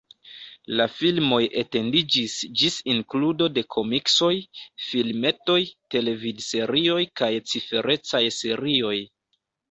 La filmoj etendiĝis ĝis inkludo de komiksoj, filmetoj, televidserioj kaj ciferecaj serioj.